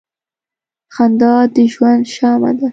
• خندا د ژوند شمع ده.